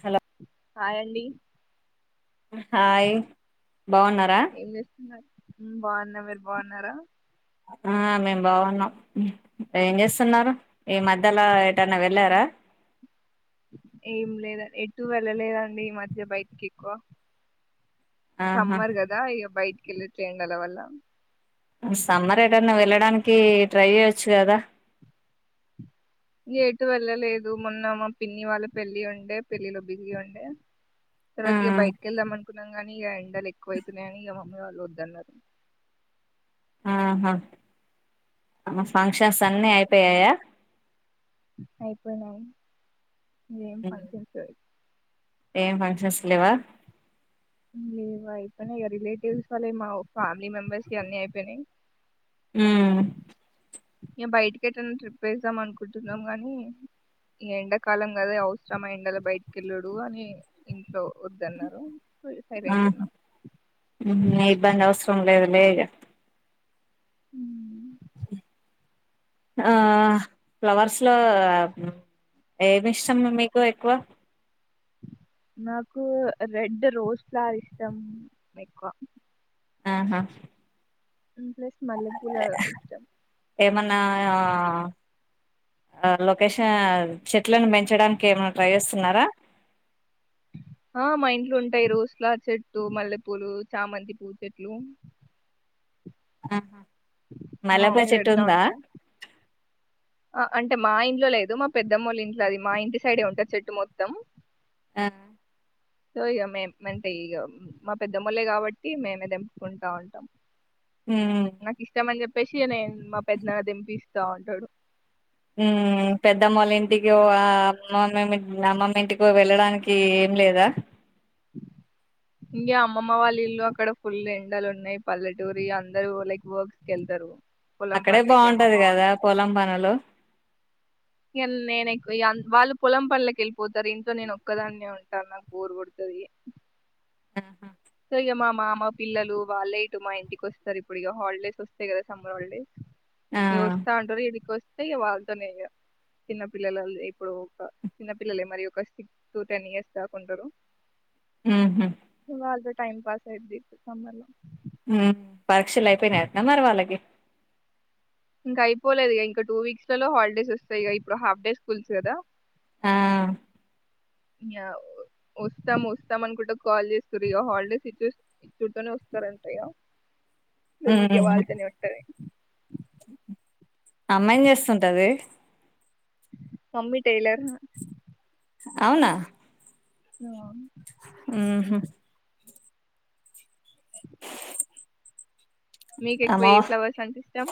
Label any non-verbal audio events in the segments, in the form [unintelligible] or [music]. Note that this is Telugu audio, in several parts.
హలో హాయండి హాయ్ బాగున్నారా ఏం చేస్తున్నారు ఉం బాన్నా మరి బాన్నారా? ఆ మేం బాగున్నాం ఏం చేస్తున్నారు ఈ మధ్యలో ఎటైన వెళ్ళారా ఏం లేదన్ ఎటు వెళ్ళలేదండి ఈ మధ్య బయటికి ఎక్కువ ఆహా సమ్మర్ గదా ఇగ బయిట్ ఎల్లట్లే ఎండల వల్ల సమ్మర్ ఎటన్న వెళ్ళడానికి ట్రై చేయచ్చు కదా ఎటు వెళ్ళలేదు మొన్న మా పిన్ని వాళ్ళ పెళ్ళి ఉండె. పెళ్ళిలో బిజి ఉండె. ఆ తర్వాత ఇగ బైటికెళ్దామ్ అనుకున్ న్నాం గానీ ఇగ ఎండలు ఎక్కువైతున్నాయని ఇగ మమ్మీ వాళ్ళు వద్దన్నారు. ఆహా ఫంక్షన్స్ అన్నీ అయిపోయాయా అయిపోయినాయి. ఏం ఫంక్షన్సో అ ఏం ఫంక్షన్స్ లేవా లేవ్ అయిపోయినాయి ఇగ రిలేటివ్స్ వాళ్ళ మా ఫ్యామిలీ మెంబర్స్ వి అన్నీ అయిపోయినాయి. ఉ ఇగ బయటికి ఎటన్నా ట్రిప్ ఏస్దాం అనుకుంటున్నాం గానీ, ఈ ఎండాకాలం కదా అవసరమా ఎండలో బయటికి వెళ్ళడు అని ఇంట్లో వద్దన్నారు. సైలెంట్ ఆహ ఉన్నాం ఉం అయి దాని అవసరం లేదులే ఇగ ఉ ఆ ఫ్లవర్స్ లో ఏమిష్టం మీకు ఎక్కువ? నాకు రెడ్ రోస్ ఫ్లవర్ ఇష్టం ఎక్కువ. ఆహా మ్మ్ ప్లస్ మల్లెపూల ఇష్టం ఏమన్నా ఆ, ఆ లొకేషన్ చెప్ చెట్లను పెంచడానికి ఏమైనా ట్రై చేస్తున్నారా? ఆ మా ఇంట్లో ఉంటాయి రోస్ ఫ్లవర్ చెట్టు మల్లెపూలు చామంతి పూ చెట్లు ఆహా మా మల్లెపూ మమ్మీ పెడతా చెట్టుందా? ఉంటది ఆ అంటే మా ఇంట్లో లేదు మా పెద్దమ్మలు ఇంట్లో అది. మా ఇంటి సైడే ఉంటది చెట్టు మొత్తం. ఆ సో ఇక మే మేమంటే ఇక మా పెద్ద మళ్ళ కాబట్టి, మేమే తెంపుకుంటా ఉంటాం. ఉమ్ నాకిష్టం మని చెప్ పెషగానే మా పెద్దనాన్న దెంపిస్తా ఉంటాడు. ఉ పెద్దమ్మళ్ళ ఇంటికో, ఆ అమ్మమ్ అమ్మమ్మ ఇంటికో, వెళ్ళడానికి ఏం లేదా. ఇంగ్య అమ్మమ్మ వాళ్ళ ఇల్లు అక్కడ ఫుల్ ఎండలు ఉన్నాయి. పల్లెటూరి అందరూ లైక్ వర్క్స్ కు వెళ్తారు. పొలం అక్కడే పనులకి బాగుంటది అమ్మమ్మ కదా వాళ్ళు పొలం పనులు. ఇగ నేనుఎక్కువంత వాళ్ళు పొలం పనులకి వెళ్ళిపోతారు. ఇంట్లో నేను ఒక్కదాన్నే ఉంటాను. నాకు బోరు కొడ తాది. ఉహు సో ఇక మా మామ పిల్లలు వాళ్ళే ఇటు మా ఇంటికి వస్తారు. ఇప్పుడు ఇక హాలిడేస్ వస్తాయి కదా సమ్మర్ హాలిడేస్. ఆ ఇగ వస్తా అంటారు ఇడికి వస్తే అంతే ఇగ వాళ్ళతోనే ఇగ చిన్న పిల్లల ఇప్పుడు ఒక చిన్నపిల్లలే మరి ఒక సిక్స్ టు టెన్ ఇయర్స్ దాకుంటారు. ఉమ్ హు టైం పాస్ అయిది సమ్మర్ లో హ్మ్ పరీక్షలు అయిపోయినాయంటనా మరి వాళ్ళకి ఇంకా అయిపోలేదు. ఇంగా టూ వీక్స్ లలో హాలిడేస్ వస్తాయి. ఇప్పుడు హాఫ్ డే స్కూల్స్ కదా ఆ య వస్తాం వస్తాం అనుకుంటే కాల్ చేస్తారు ఇ హాలిడేస్ ఇచ్చేస్తూనే వస్తారంటఇగ గల్కి ఉమ్ వాళ్ళతోనే ఉంటది అమ్మ ఏం చేస్తుంటది మమ్మీ టైలర్. అవునా అ ఉమ్ హు మీకు ఎక్కువ అమ్మో ఏ ఫ్లవర్స్ అంటే ఇష్టం?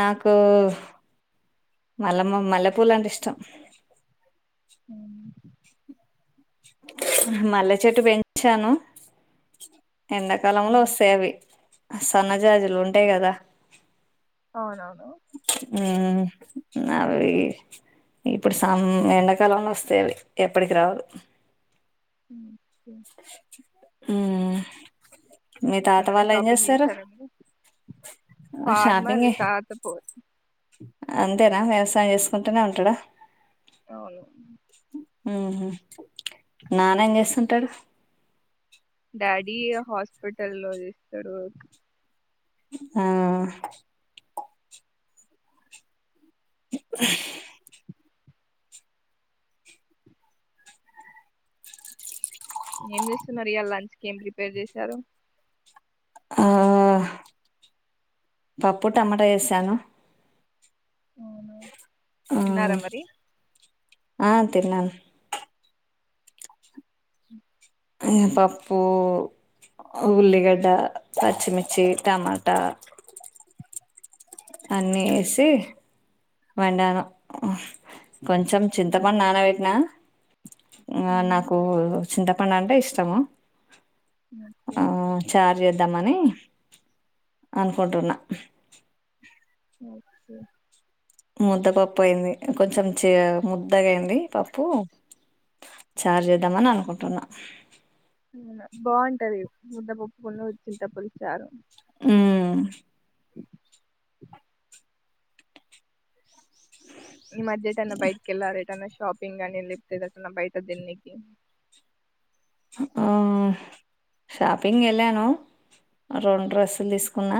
నాకు మల్లెమ, మల్లెపూల అంటే ఇష్టం. హ్మ్మ్ మల్లె చెట్టు పెంచాను. ఎండాకాలంలో అవునా వస్తాయి అవి సన్నజాజులు ఉంటాయి కదా. అవునా ఉ అవి ఇప్పుడు సమ్ ఎండాకాలంలో వస్తాయి. అవి ఎప్పటికి రావవి ఉమ్, ఉమ్. ఉమ్ మీ తాత వాళ్ళ ఏం చేస్తారు. ఫార్మల్ షాపింగే తాత పో అంతేనా వ్యవసాయం చేసుకుంటూనే ఉంటాడా అవును ఉమ్ హు నాన్న ఏం చేస్తుంటాడు. డాడీ హాస్పిటల్ లో చేస్తాడు. ఆ ఏం చేస్తున్నారు. ఇయాల లంచ్ కి ఏం ప్రిపేర్ చేశారు. ఆ పప్పు టమాటా చేసాను. అవునా? ఆ తిన్నారా మరి ఆ తిన్నాన్ పప్పు, ఉల్లిగడ్డ, పచ్చిమిర్చి, టమాట అన్నేసి వండాను. కొంచెం ఉమ్, చింతపండు నాన పెట్టినా ఉమ్, నాకు చింత చింతపండు అంటే ఇష్టము. ఓకే ఆ చార్ చేద్దామని అనుకుంటున్నా ఓకే ముద్ద పప్పు అయింది. కొంచెం చీ ముద్దగా అయింది పప్పు చారు చేద్దామని అనుకుంటున్నా బాగుంటది ముద్దపప్పున్ను చింతపులుసు చారు. ఊమ్ ఈ మద్యేటేన్న బయట్కేళ్ళారా ఏటన్న షాపింగ్ అని లేప్తేదన్నా బయట తిన్నికి ఆ షాపింగ్ ఎళ్ళాను రెండ్ర డ్రెస్సులు తీసుకున్నా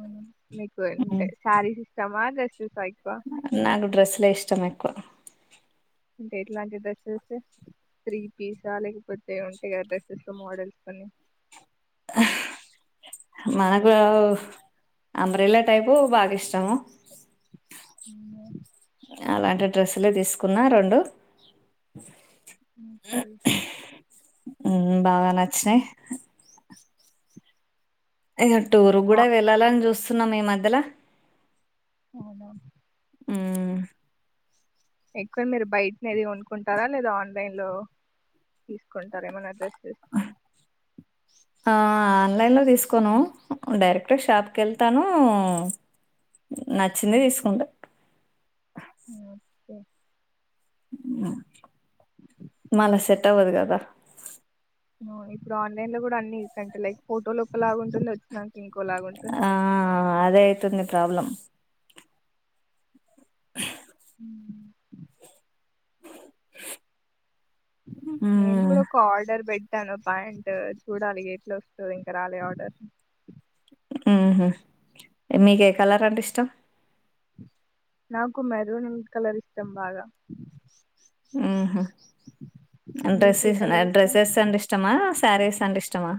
ఆహా మీకుంటే మ్మ్. సారీస్ ఇష్టమా డ్రెస్సెస్ ఎక్కువ నాకు డ్రెస్లే ఇష్టం ఎక్కువ అంటే ఎట్లాంటి డ్రెస్సెస్ త్రీ పీసా లేకపోతే ఉంటాయి. కదా డ్రెస్సెస్ లో మోడల్స్ అని మనకూ అంబ్రిలా టైపు బాగా ఇష్టము. అవునా అలాంటి డ్రెస్సులే తీస్ కున్న రెండు ఓకే మ్మ్ బాగా నచ్చినాయ్ ఇక టూర్ కూడా ఆ- వెళ్ళాలని చూస్ తున్నామ్ ఈ మధ్యలా అవునా మ్మ్ ఎక్కుడ మీరు బయటనే అది కొనుకుంటారా లేదా ఆన్లైన్ లో తీసుకుంటార ఏమైనా డ్రస్సెస్ ఆ ఆన్లైన్లో తీసుకోను డైరెక్ట్ షాప్ కి వెళ్తాను నచ్చింది తీసుకుంటా మ్మ్ ఓకే మళ్ళా సెట్ అవ్వదు కదా ఇప్పుడు ఆన్లైన్ లో కూడా అన్నింటే లైక్ ఫోటోలో ఒకలాగా ఉంటుంది వచ్చిన ఆ అదే అయితుంది ప్రోబ్లం దగ్గు నేను హ్మ్. కూడా ఒక ఆర్డర్ పెడ్ పెట్టాను పాయింట్ చూడాలి ఎట్లా వస్తది ఇంక రాలే ఆర్డర్ మ్మ్ హ్మ్ మీకు ఏ కలర్ అంటే ఇష్టం నాకు మెరూన్ కలర్ ఇష్టం బాగా మ్మ్ హ్మ్ మీకు ఏ డ్రెస్సస్ కలర్ ఇష్టం డ్రెస్సెస్ అంటే ఇష్టమా సారీస్ అంటే ఇష్టమా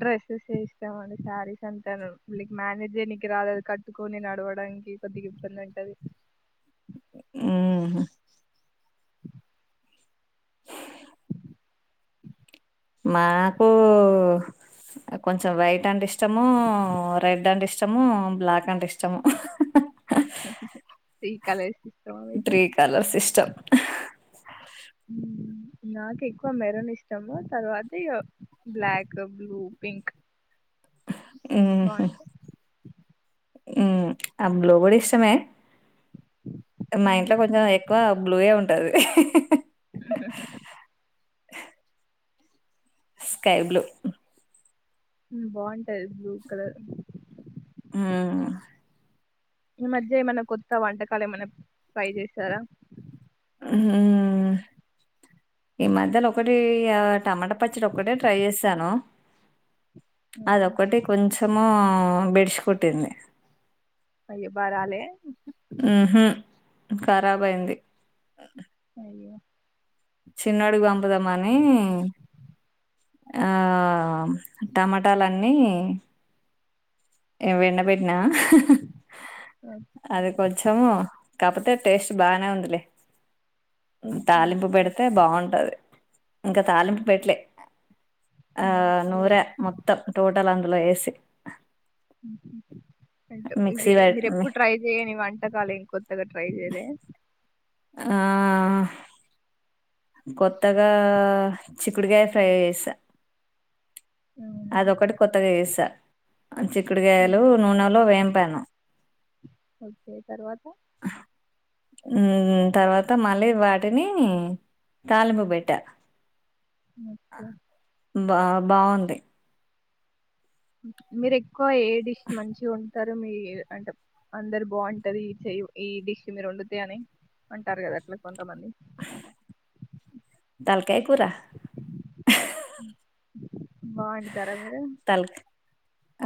డ్రెస్సెస్ ఇష్టం అండి శారీస్ అంటే లైక్ మేనేజ్ చేయనికి రాదు కట్టుకొని నడవడానికి కొద్దిగా ఇబ్బంది ఉంటాది హుహు. మా పూ కొంచెం వైట్ అంటే ఇష్టము రెడ్ అంటే ఇష్టము బ్లాక్ అంటే ఇష్టము త్రీ కలర్స్ ఇష్టమా మీకు త్రీ కలర్స్ ఇష్టం నాకు ఎక్కువ మెరూన్ ఇష్టము తర్వాత బ్లాక్ బ్లూ పింక్ మ్మ్ హ్మ్ బాగుంటాయి మ్మ్ ఆ బ్లూ కూడా ఇష్టమే మా ఇంట్లో మ్మ్. కొంచం ఎక్కువ బ్లూయే ఉం ఉంటది [unintelligible] [unintelligible] స్కై బ్లూ బాగుంటాది బ్లూ కలర్ ఊ ఈ మధ్య ఏమన్నా కొత్త వంటకాలు ఏమన్నా ట్రై చేశారా! ఊ ఈ మధ్యలో ఒకటి ఆ టమాటా పచ్చడి ఒకటే ట్రై చేశాను. అదొక్కటి కొంచము బెడ్శి కొట్టింది. ఏ బారాలే ఊహు ఖరాబ్ అయింది. అయ్యో చిన్నోడ్కి పంపుదామని ఆ టమాటాలన్నీ వెండ పెట్టినా అది కొంచము కాకపోతే టేస్ట్ బాగనే ఉందిలే. తాలింపు పెడత బాగుంటది ఇంకా తాలింపు పెట్లే ఆ ఓకే నూర మొత్తం టోటల్ అంత లో ఏసి ఉహు అంటే ఇవి మీరు పట్టి ఎప్పుడు ట్రై చేయని వంటకాలు ఏం కొత్తగా ట్రై చేయలే. ఆ కొత్తగా చిక్కుడుకాయ ఫ్రై చేసా ఉమ్, అదొకటి కొత్తగా చేసా చిక్కుడుకాయలు నూనెలో వేంపాను. ఓకే తర్వాత తర్వాత మళ్ళీ వాటిని తాలింపు పెట్ట ఓకే బా బాగుంది. మీరెక్ ఎక్కవ ఏ డిష్ మంచిగా ఉం స్తారు మీ అంటే అందరు బాగుంటది ఈ చెయ్ ఈ డిష్ మీరు వండుతే అని అంటారు కదా అట్ల కొంతమంది తలకాయ్ కూర బాగొండుతారా మీరు తలక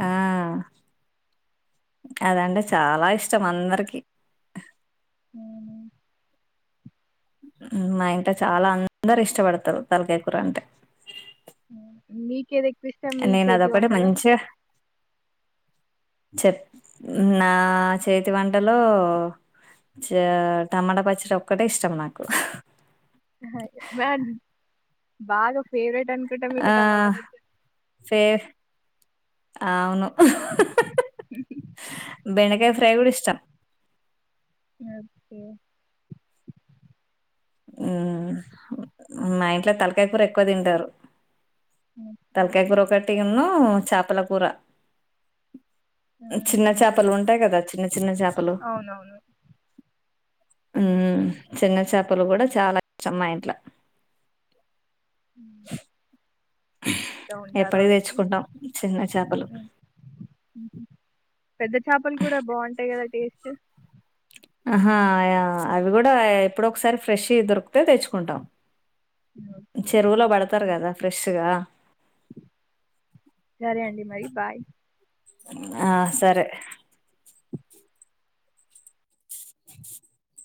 ఆ అదంటే చాలా ఇష్టం అందరికి అవునా మా ఇంట్లో చాలా అందరు ఇష్టపడతారు తలకాయ్ కూరంటే మీకేదెక్ నేను అదొకటి మంచిగా చెప్ నా చేతి వంటలో చ టమాటా పచ్చడి ఒక్కటే ఇష్టం నాకు. మ్యాడ్ బాగా ఫేవరెట్ నుకుంట్ట ఆ! మీకు టమాట బజ్జి ఫే అవును బెండకాయ్ ఫ్రే ఫ్రేయ్ కూడా ఇష్టం ఓకే ఉ మా ఇంట్లో తలకాయ్ కూర ఎక్కువ తింటరు ఓకే తలకాయ్ కూర ఒక్కటి న్ను చాపల కూర చిన్న అవునా చాపలు ఉంటాయి కదా చిన్న చిన్న చాపలు అవునవును హు చిన్న చా పలు కూడా చాలా ఇష్టం మా ఇంట్ల [inaudible] ఇష్టం ఉంటారు ఎప్పటి వాళ్ళకి తెచ్చుకుంటాం చిన్న చాపలు హ్మ్. హుహు. పెద్ద చేపలు కూడా బాగుంటాయి కదా టేస్ట్ ఆహా అవి కూడా ఎప్పుడొక్కసారి ఫ్రెష్యి దొరికితే తెచ్చుకుంటాం ఓకే చెరువులో పడతారు కదా ఫ్రెష్గా సరే అండి మరి బాయ్ ఆ సరే [inaudible]